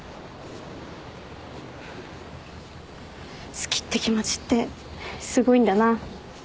好きって気持ちってすごいんだな。